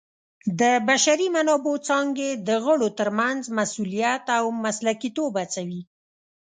د بشري منابعو څانګې د غړو ترمنځ مسؤلیت او مسلکیتوب هڅوي.